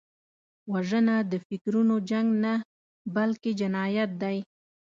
وژنه د فکرونو جنګ نه، بلکې جنایت دی